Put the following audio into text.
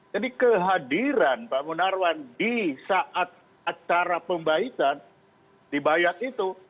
jadi kehadiran pak munarwan di saat acara pembaikan di bayat itu